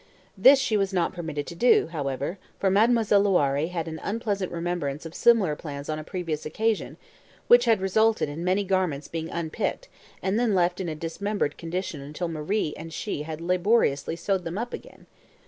This she was not permitted to do, however, for Mademoiselle Loiré had an unpleasant remembrance of similar plans on a previous occasion, which had resulted in many garments being unpicked, and then left in a dismembered condition until Marie and she had laboriously sewed them up again!